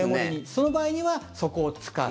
その場合にはそこを使う。